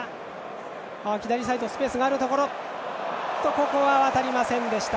ここは渡りませんでした。